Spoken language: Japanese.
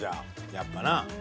やっぱなあ。